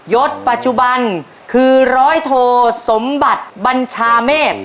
ยศปัจจุบันคือร้อยโทสมบัติบัญชาเมฆ